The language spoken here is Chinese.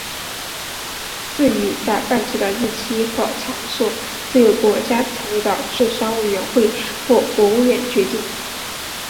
至于下半旗的日期和场所则由国家成立的治丧委员会或国务院决定。